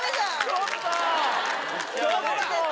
ちょっと！